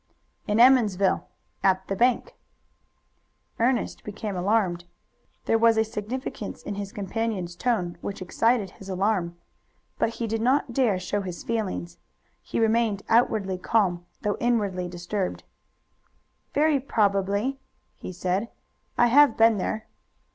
"In Emmonsville at the bank." Ernest became alarmed. There was a significance in his companion's tone which excited his alarm. But he did not dare show his feelings. He remained outwardly calm, though inwardly disturbed. "Very probably," he said; "I have been there."